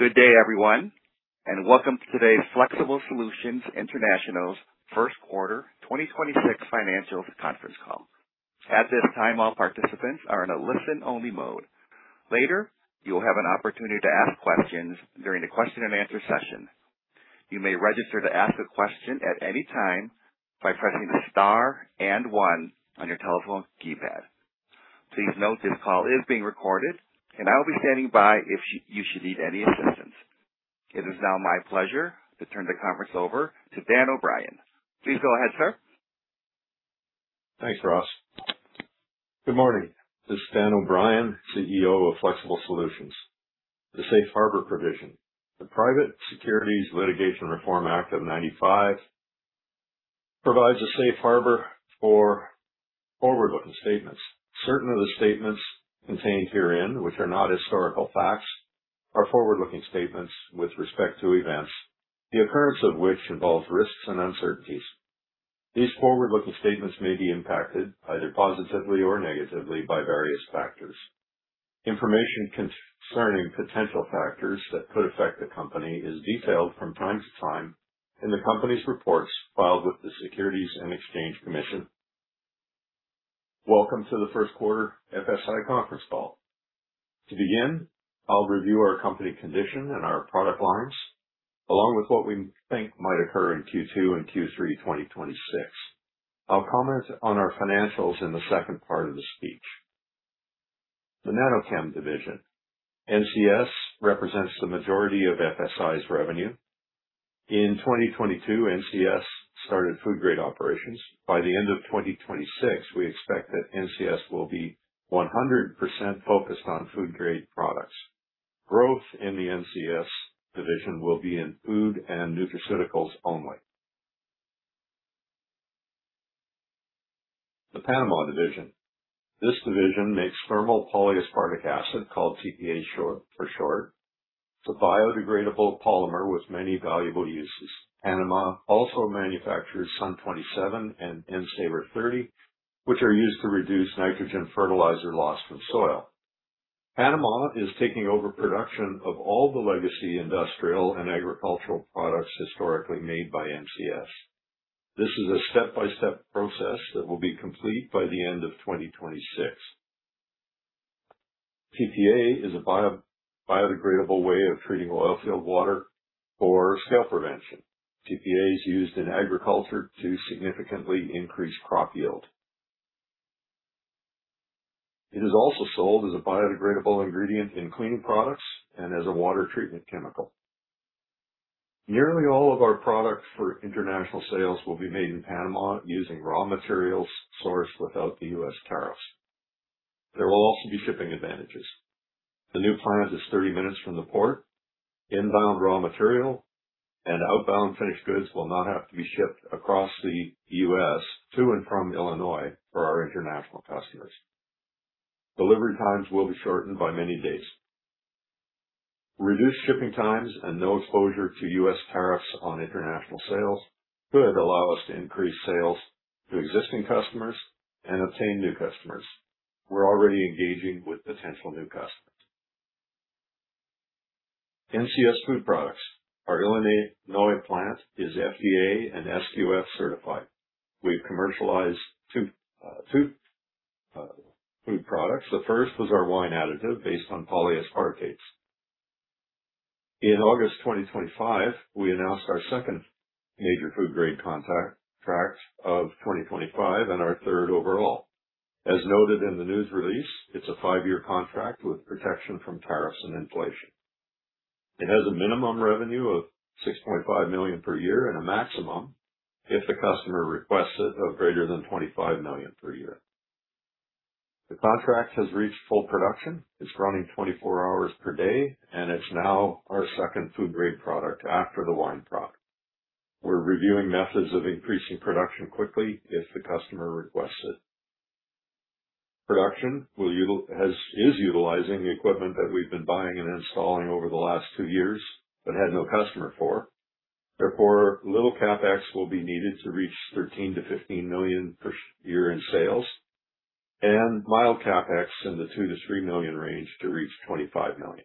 Good day, everyone. Welcome to today's Flexible Solutions International's First Quarter 2026 Financials Conference Call. At this time, all participants are in a listen-only mode. Later, you'll have an opportunity to ask questions during the question and answer session. You may register to ask a question at any time by pressing star and one on your telephone keypad. Please note this call is being recorded, and I'll be standing by if you should need any assistance. It is now my pleasure to turn the conference over to Dan O'Brien. Please go ahead, sir. Thanks, Ross. Good morning. This is Dan O'Brien, CEO of Flexible Solutions. The Safe Harbor Provision. The Private Securities Litigation Reform Act of 1995 provides a safe harbor for forward-looking statements. Certain of the statements contained herein, which are not historical facts, are forward-looking statements with respect to events, the occurrence of which involves risks and uncertainties. These forward-looking statements may be impacted, either positively or negatively, by various factors. Information concerning potential factors that could affect the company is detailed from time to time in the company's reports filed with the Securities and Exchange Commission. Welcome to the first quarter FSI conference call. To begin, I'll review our company condition and our product lines, along with what we think might occur in Q2 and Q3 2026. I'll comment on our financials in the second part of the speech. The NanoChem division. NCS represents the majority of FSI's revenue. In 2022, NCS started food-grade operations. By the end of 2026, we expect that NCS will be 100% focused on food-grade products. Growth in the NCS division will be in food and nutraceuticals only. The Panama division. This division makes thermal polyaspartic acid, called TPA short, for short. It's a biodegradable polymer with many valuable uses. Panama also manufactures SUN 27 and N Savr 30, which are used to reduce nitrogen fertilizer loss from soil. Panama is taking over production of all the legacy industrial and agricultural products historically made by NCS. This is a step-by-step process that will be complete by the end of 2026. TPA is a biodegradable way of treating oil field water for scale prevention. TPA is used in agriculture to significantly increase crop yield. It is also sold as a biodegradable ingredient in cleaning products and as a water treatment chemical. Nearly all of our product for international sales will be made in Panama using raw materials sourced without the U.S. tariffs. There will also be shipping advantages. The new plant is 30 minutes from the port. Inbound raw material and outbound finished goods will not have to be shipped across the U.S. to and from Illinois for our international customers. Delivery times will be shortened by many days. Reduced shipping times and no exposure to U.S. tariffs on international sales could allow us to increase sales to existing customers and obtain new customers. We're already engaging with potential new customers. NCS food products. Our Illinois plant is FDA and SQF certified. We've commercialized two food products. The first was our wine additive based on polyaspartates. In August 2025, we announced our second major food-grade contact, contract of 2025 and our third overall. As noted in the news release, it's a five-year contract with protection from tariffs and inflation. It has a minimum revenue of $6.5 million per year and a maximum, if the customer requests it, of greater than $25 million per year. The contract has reached full production. It's running 24 hours per day, and it's now our second food-grade product after the wine product. We're reviewing methods of increasing production quickly if the customer requests it. Production is utilizing the equipment that we've been buying and installing over the last two years but had no customer for. Therefore, little CapEx will be needed to reach $13 million-$15 million per year in sales and mild CapEx in the $2 million-$3 million range to reach $25 million.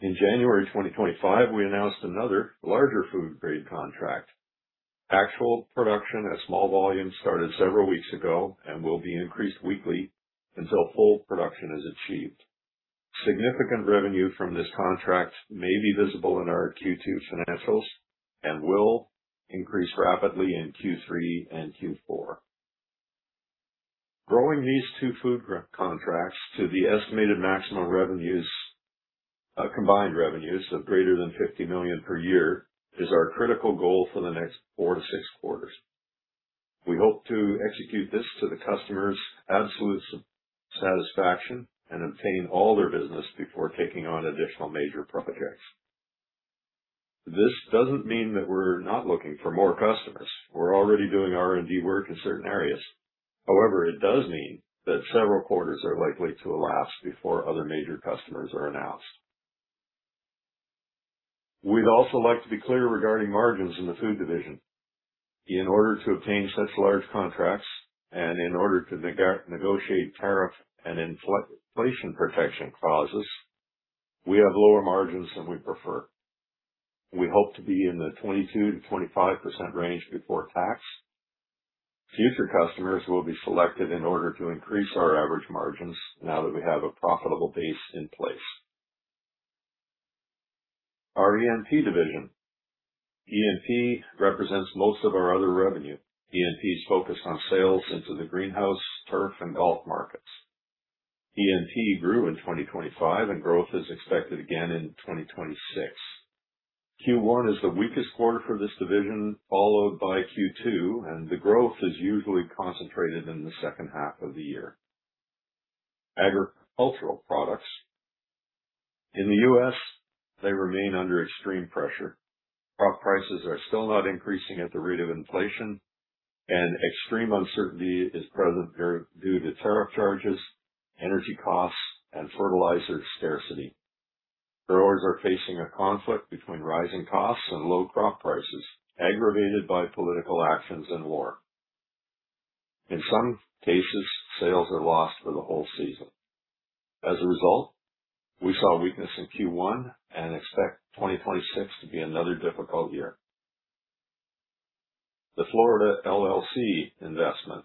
In January 2025, we announced another larger food-grade contract. Actual production at small volume started several weeks ago and will be increased weekly until full production is achieved. Significant revenue from this contract may be visible in our Q2 financials and will increase rapidly in Q3 and Q4. Growing these two contracts to the estimated maximum revenues, combined revenues of greater than $50 million per year is our critical goal for the next 4-6 quarters. We hope to execute this to the customer's absolute satisfaction and obtain all their business before taking on additional major projects. This doesn't mean that we're not looking for more customers. We're already doing R&D work in certain areas. It does mean that several quarters are likely to elapse before other major customers are announced. We'd also like to be clear regarding margins in the food division. In order to obtain such large contracts and in order to negotiate tariff and inflation protection clauses, we have lower margins than we prefer. We hope to be in the 22%-25% range before tax. Future customers will be selected in order to increase our average margins now that we have a profitable base in place. Our ENP division. ENP represents most of our other revenue. ENP is focused on sales into the greenhouse, turf, and golf markets. ENP grew in 2025, and growth is expected again in 2026. Q1 is the weakest quarter for this division, followed by Q2, and the growth is usually concentrated in the second half of the year. Agricultural products. In the U.S., they remain under extreme pressure. Crop prices are still not increasing at the rate of inflation, and extreme uncertainty is present due to tariff charges, energy costs, and fertilizer scarcity. Growers are facing a conflict between rising costs and low crop prices, aggravated by political actions and war. In some cases, sales are lost for the whole season. As a result, we saw weakness in Q1 and expect 2026 to be another difficult year. The Florida LLC Investment.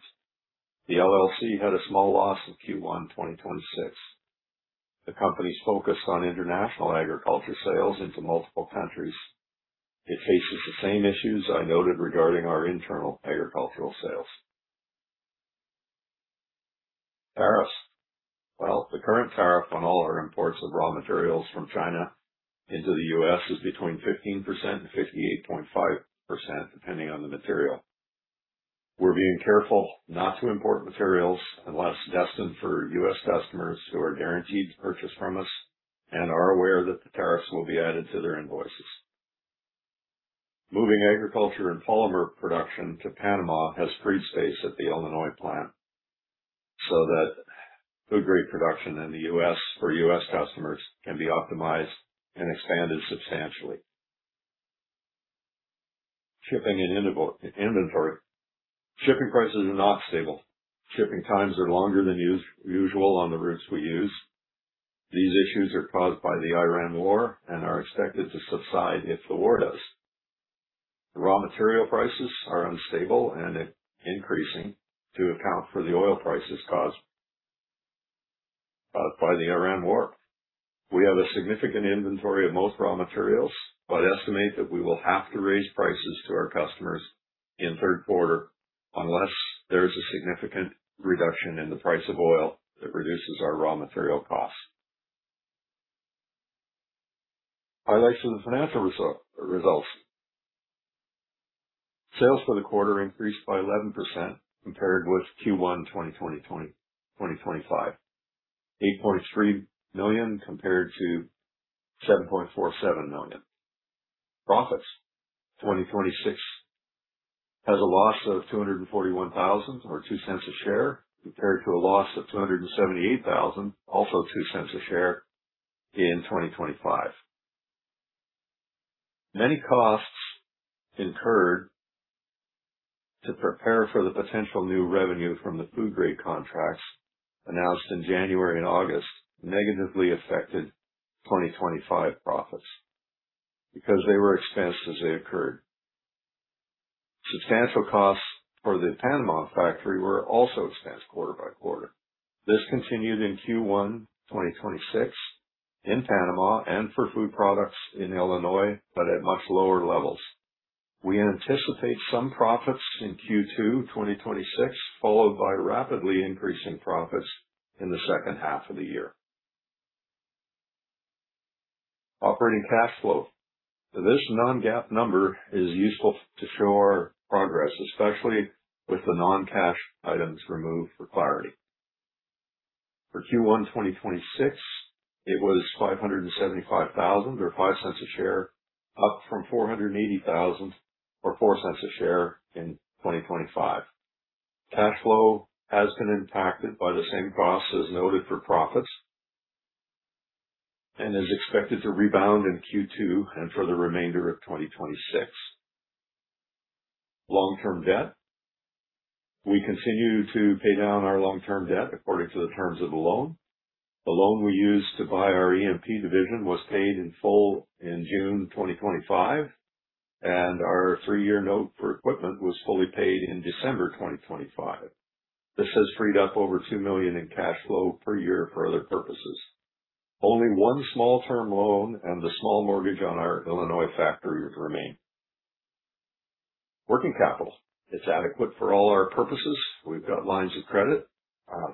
The LLC had a small loss in Q1, 2026. The company's focused on international agriculture sales into multiple countries. It faces the same issues I noted regarding our internal agricultural sales. Tariffs. The current tariff on all our imports of raw materials from China into the U.S. is between 15% and 58.5%, depending on the material. We're being careful not to import materials unless destined for U.S. customers who are guaranteed to purchase from us and are aware that the tariffs will be added to their invoices. Moving agriculture and polymer production to Panama has freed space at the Illinois plant so that food-grade production in the U.S. for U.S. customers can be optimized and expanded substantially. Shipping and inventory. Shipping prices are not stable. Shipping times are longer than usual on the routes we use. These issues are caused by the Iran war and are expected to subside if the war does. The raw material prices are unstable and increasing to account for the oil prices caused by the Iran war. We have a significant inventory of most raw materials, but estimate that we will have to raise prices to our customers in third quarter unless there is a significant reduction in the price of oil that reduces our raw material costs. Highlights of the financial results. Sales for the quarter increased by 11% compared with Q1 2025. $8.3 million compared to $7.47 million. Profits. 2026 has a loss of $241,000, or $0.02 a share, compared to a loss of $278,000, also $0.02 a share, in 2025. Many costs incurred to prepare for the potential new revenue from the food-grade contracts announced in January and August negatively affected 2025 profits because they were expensed as they occurred. Substantial costs for the Panama division were also expensed quarter by quarter. This continued in Q1 2026 in the Panama division and for food-grade products in Illinois, at much lower levels. We anticipate some profits in Q2 2026, followed by rapidly increasing profits in the second half of the year. Operating cash flow. This non-GAAP number is useful to show our progress, especially with the non-cash items removed for clarity. For Q1 2026, it was $575,000 or $0.05 a share, up from $480,000 or $0.04 a share in 2025. Cash flow has been impacted by the same costs as noted for profits and is expected to rebound in Q2 and for the remainder of 2026. Long-term debt. We continue to pay down our long-term debt according to the terms of the loan. The loan we used to buy our ENP division was paid in full in June 2025, and our three-year note for equipment was fully paid in December 2025. This has freed up over $2 million in cash flow per year for other purposes. Only one small term loan and the small mortgage on our Illinois factory remain. Working capital. It's adequate for all our purposes. We've got lines of credit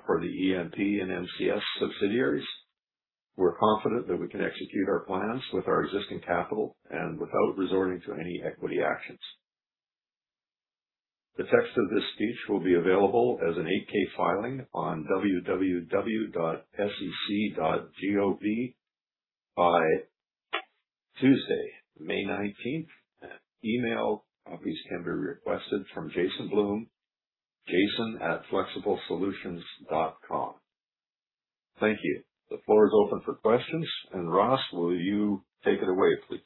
for the ENP and NCS subsidiaries. We're confident that we can execute our plans with our existing capital and without resorting to any equity actions. The text of this speech will be available as an 8-K filing on www.sec.gov by Tuesday, May 19th. Email copies can be requested from Jason Bloom, jason@flexiblesolutions.com. Thank you. The floor is open for questions. Ross, will you take it away, please?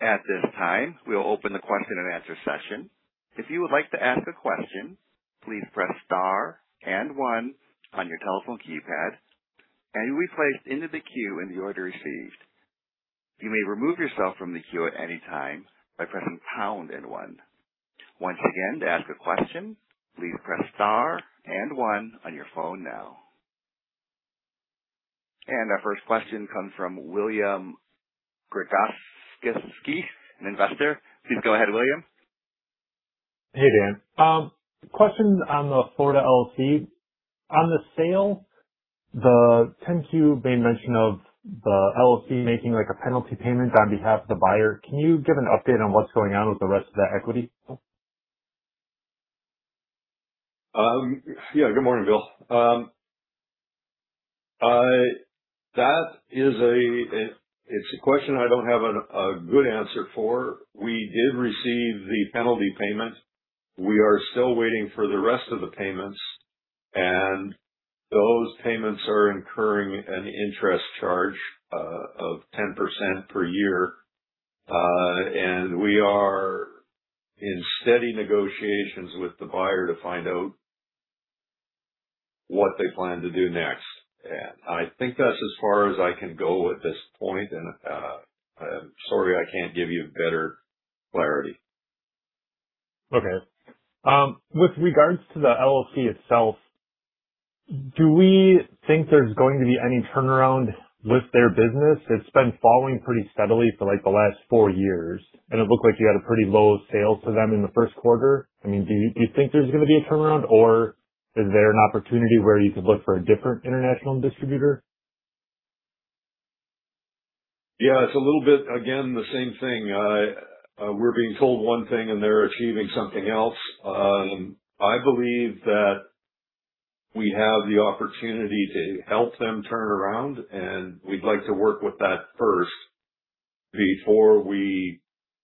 At this time, we'll open the question-and-answer session. If you would like to ask a question, please press star and one on your telephone keypad. And you will be placed into the queue in the order received. You may remove yourself from the queue anytime by pressing pound and one. Once again to ask a question please press star and one on your phone now. Our first question comes from William Gregozeski, an investor. Please go ahead, William. Hey, Dan. Question on the Florida LLC. On the sale, the 10-Q made mention of the LLC making, like, a penalty payment on behalf of the buyer. Can you give an update on what's going on with the rest of that equity? Good morning, Bill. That is a question I don't have a good answer for. We did receive the penalty payment. We are still waiting for the rest of the payments, and those payments are incurring an interest charge of 10% per year. We are in steady negotiations with the buyer to find out what they plan to do next. I think that's as far as I can go at this point. I'm sorry I can't give you better clarity. Okay. With regards to the LLC itself, do we think there's going to be any turnaround with their business? It's been falling pretty steadily for, like, the last four years, and it looked like you had a pretty low sales to them in the first quarter. I mean, do you think there's gonna be a turnaround, or is there an opportunity where you could look for a different international distributor? It's a little bit, again, the same thing. We're being told one thing, they're achieving something else. I believe that we have the opportunity to help them turn around, we'd like to work with that first before we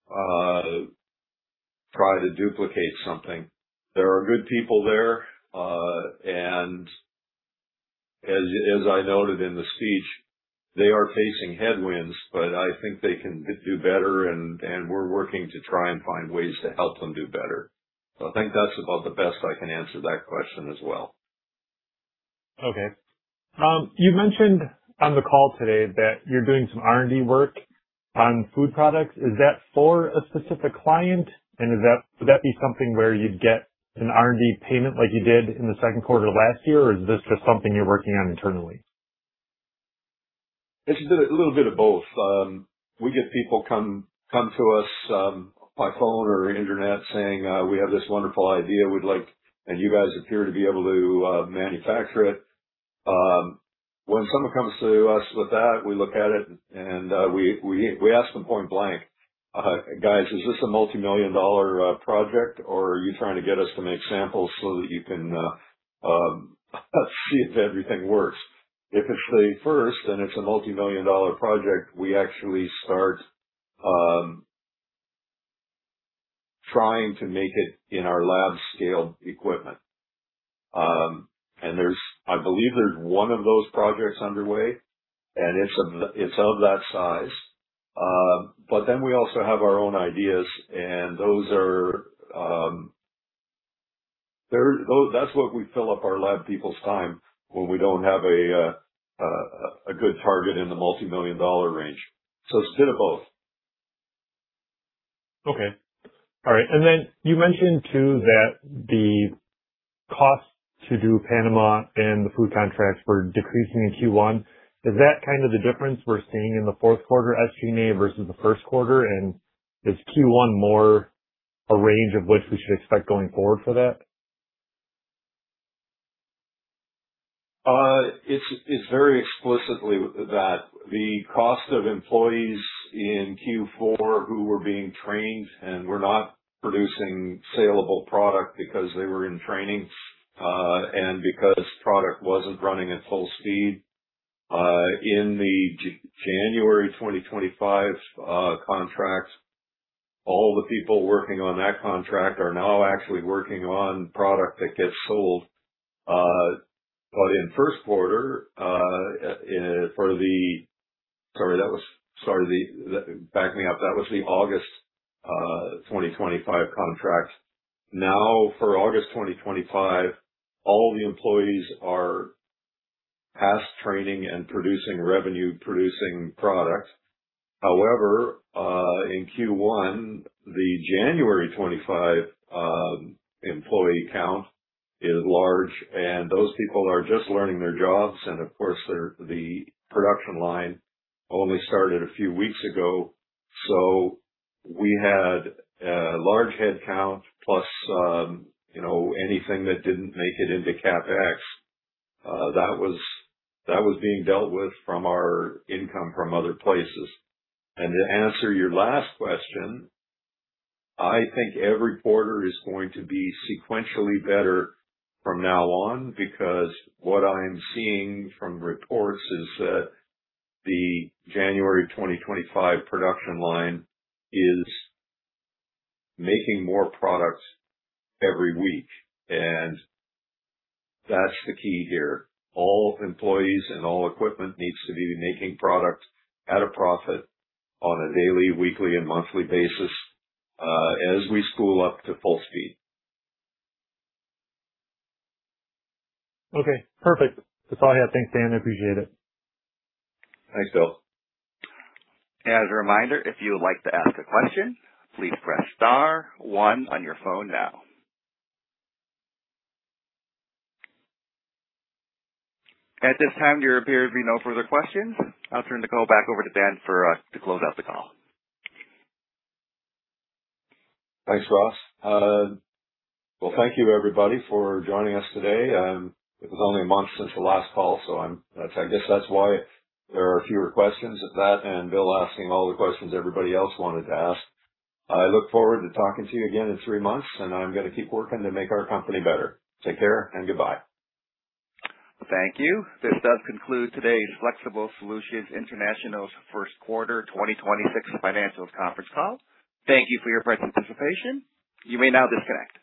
try to duplicate something. There are good people there, as I noted in the speech, they are facing headwinds, I think they can do better and we're working to try and find ways to help them do better. I think that's about the best I can answer that question as well. Okay. You mentioned on the call today that you're doing some R&D work on food products. Is that for a specific client? Would that be something where you'd get an R&D payment like you did in the second quarter of last year, or is this just something you're working on internally? It's a little bit of both. We get people come to us, by phone or internet saying, "We have this wonderful idea we'd like And you guys appear to be able to manufacture it." When someone comes to us with that, we look at it and, we ask them point-blank, "Guys, is this a multimillion-dollar project, or are you trying to get us to make samples so that you can see if everything works?" If it's the first, and it's a multimillion-dollar project, we actually start trying to make it in our lab-scale equipment. I believe there's one of those projects underway, and it's of that size. We also have our own ideas, and those are, that's what we fill up our lab people's time when we don't have a good target in the multimillion dollar range. It's a bit of both. Okay. All right. Then you mentioned, too, that the cost to do Panama and the food contracts were decreasing in Q1. Is that kind of the difference we're seeing in the fourth quarter SG&A versus the first quarter? Is Q1 more a range of which we should expect going forward for that? It's very explicitly that the cost of employees in Q4 who were being trained and were not producing saleable product because they were in training, and because product wasn't running at full speed, in the January 2025 contracts, all the people working on that contract are now actually working on product that gets sold. In first quarter, for the Sorry, that was backing up. That was the August 2025 contract. For August 2025, all the employees are past training and producing revenue-producing products. In Q1, the January 25 employee count is large, and those people are just learning their jobs. Of course, the production line only started a few weeks ago, so we had a large headcount plus, you know, anything that didn't make it into CapEx that was being dealt with from our income from other places. To answer your last question, I think every quarter is going to be sequentially better from now on, because what I'm seeing from reports is that the January 2025 production line is making more products every week. That's the key here. All employees and all equipment needs to be making product at a profit on a daily, weekly, and monthly basis as we spool up to full speed. Okay, perfect. That's all I have. Thanks, Dan. I appreciate it. Thanks, Bill. As a reminder, if you would like to ask a question, please press star one on your phone now. At this time, there appear to be no further questions. I'll turn the call back over to Dan to close out the call. Thanks, Ross. Well, thank you everybody for joining us today. It was only a month since the last call, so that's why there are fewer questions. That and Bill asking all the questions everybody else wanted to ask. I look forward to talking to you again in three months, and I'm gonna keep working to make our company better. Take care and goodbye. Thank you. This does conclude today's Flexible Solutions International's first quarter 2026 financials conference call. Thank you for your participation. You may now disconnect.